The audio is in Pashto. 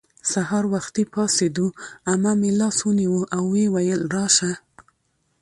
سهار وختي پاڅېدو. عمه مې لاس ونیو او ویې ویل:راشه